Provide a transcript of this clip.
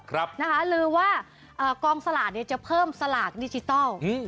ครับลือว่ากองสลากจะเพิ่มสลากดิจิทอล